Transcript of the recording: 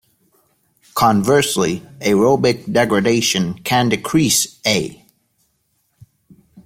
Conversely, aerobic degradation can decrease A.